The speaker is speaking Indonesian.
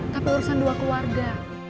tapi urusan dua keluarga